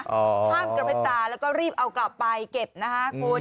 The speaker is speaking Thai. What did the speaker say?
ห้ามกระพริบตาแล้วก็รีบเอากลับไปเก็บนะคะคุณ